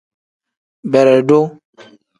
Beredu.